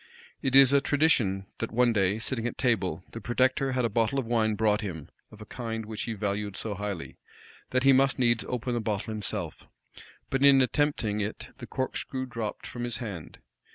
It is a tradition, that one day, sitting at table, the protector had a bottle of wine brought him, of a kind which he valued so highly, that he must needs open the bottle himself; but in attempting it, the corkscrew dropped from his hand.